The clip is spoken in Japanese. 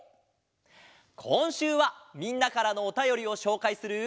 こんしゅうはみんなからのおたよりをしょうかいする。